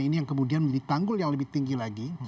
ini yang kemudian menjadi tanggul yang lebih tinggi lagi